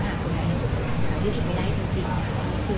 เพราะว่าเหมือนกับว่าเหมือนกับหมอนี่จริง